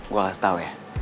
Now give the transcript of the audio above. gue kasih tau ya